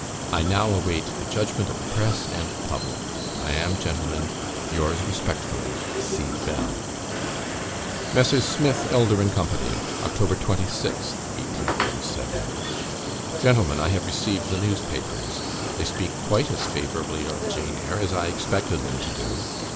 "I now await the judgment of the press and the public. I am, Gentlemen, yours respectfully, C. BELL." MESSRS. SMITH, ELDER, AND CO. "Oct. 26th, 1847. "Gentlemen, I have received the newspapers. They speak quite as favourably of "Jane Eyre" as I expected them to do.